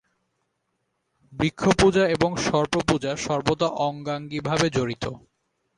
বৃক্ষপূজা এবং সর্পপূজা সর্বদা অঙ্গাঙ্গিভাবে জড়িত।